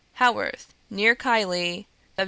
"Haworth, near Keighley, "Feb.